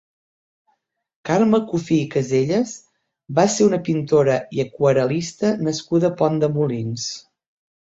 Carme Cuffí i Casellas va ser una pintora i aquarel·lista nascuda a Pont de Molins.